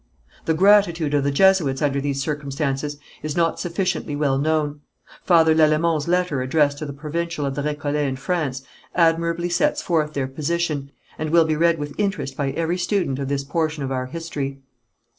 The gratitude of the Jesuits under these circumstances, is not sufficiently well known. Father Lalemant's letter addressed to the Provincial of the Récollets in France, admirably sets forth their position, and will be read with interest by every student of this portion of our history.